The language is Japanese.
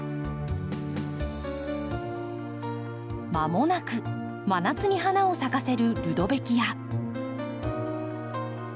まもなく真夏に花を咲かせるルドベキア。